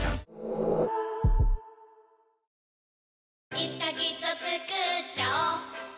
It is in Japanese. いつかきっとつくっちゃおう